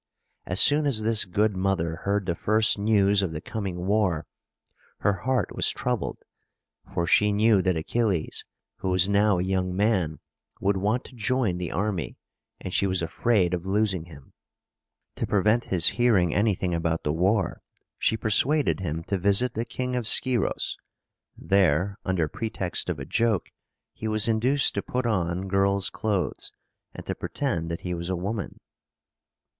As soon as this good mother heard the first news of the coming war, her heart was troubled; for she knew that Achilles, who was now a young man, would want to join the army, and she was afraid of losing him. To prevent his hearing anything about the war, she persuaded him to visit the King of Scyros. There, under pretext of a joke, he was induced to put on girl's clothes, and to pretend that he was a woman.